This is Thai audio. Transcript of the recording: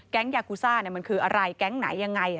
ยากูซ่ามันคืออะไรแก๊งไหนยังไง